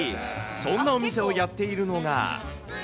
そんなお店をやっているのが。